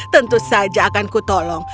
tentu saja akan kutolong